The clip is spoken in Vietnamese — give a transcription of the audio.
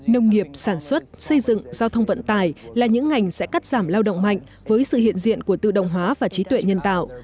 nông nghiệp sản xuất xây dựng giao thông vận tài là những ngành sẽ cắt giảm lao động mạnh với sự hiện diện của tự động hóa và trí tuệ nhân tạo